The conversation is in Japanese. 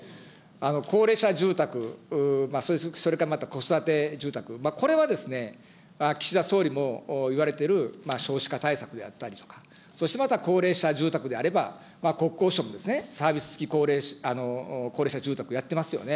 高齢者住宅、それからまた子育て住宅、これは岸田総理も言われてる少子化対策であったりとか、そしてまた高齢者住宅であれば、国交省もサービス付き高齢者住宅やってますよね。